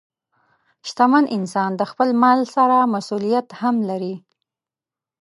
شتمن انسان د خپل مال سره مسؤلیت هم لري.